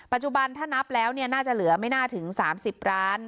ปัจจุบันถ้านับแล้วน่าจะเหลือไม่น่าถึง๓๐ล้าน